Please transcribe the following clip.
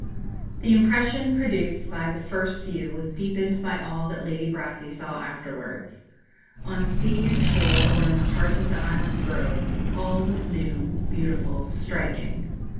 The impression produced by the first view was deepened by all that Lady Brassey saw afterwards. On sea and shore, or in the heart of the island groves, all was new, beautiful, striking.